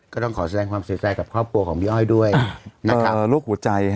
ก็ต้องขอแสดงความเสียใจกับครอบครัวของพี่อ้อยด้วยนะครับโรคหัวใจ